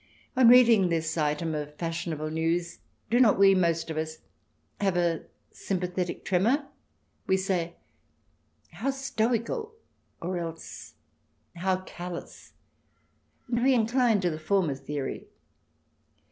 On reading this item of fashionable news do not we, most of us, have a sympathetic tremor ? We say, " How stoical !" or else, " How callous I" and we incline to the former theory.